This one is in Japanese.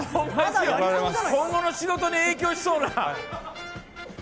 今後の仕事に影響しそうな。